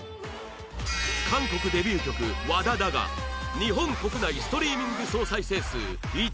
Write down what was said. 韓国デビュー曲『ＷＡＤＡＤＡ』が日本国内ストリーミング総再生数１億回を達成